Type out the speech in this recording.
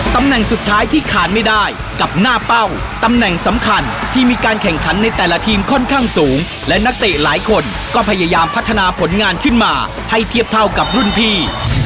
ตำแหน่งสุดท้ายที่ขาดไม่ได้กับหน้าเป้าตำแหน่งสำคัญที่มีการแข่งขันในแต่ละทีมค่อนข้างสูงและนักเตะหลายคนก็พยายามพัฒนาผลงานขึ้นมาให้เทียบเท่ากับรุ่นพี่